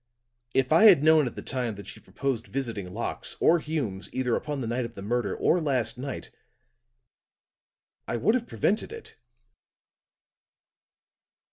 If I had known at the time that she proposed visiting Locke's, or Hume's, either upon the night of the murder, or last night, I would have prevented it."